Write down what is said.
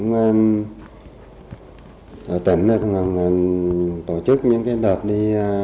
ở tỉnh tổ chức những đợt đi